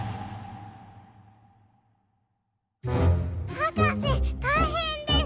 はかせたいへんです！